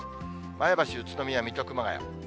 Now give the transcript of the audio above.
前橋、宇都宮、水戸、熊谷。